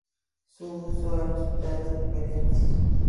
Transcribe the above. Su uso ha resultado difícil.